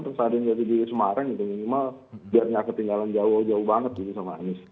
tersadinya jati diri semarang itu minimal biarnya ketinggalan jauh jauh banget sama anies